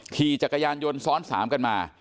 ขี่จักรยานยนต์ซ้อน๓กันมา